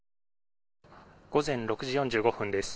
午前６時４５分です。